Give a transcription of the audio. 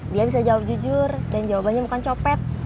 dia bisa jawab jujur dan jawabannya bukan copet